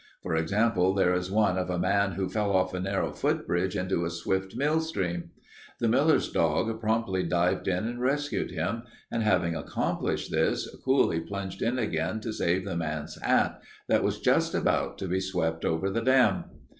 For example, there is one of a man who fell off a narrow foot bridge into a swift mill stream. The miller's dog promptly dived in and rescued him, and having accomplished this, coolly plunged in again to save the man's hat that was just about to be swept over the dam.